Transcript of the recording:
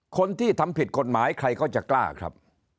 คนที่ทำผิดกฎหมายใครก็จะกล้าครับ